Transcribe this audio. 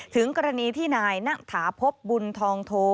ถึงกรณีที่นายณฐาพบบุญทองโท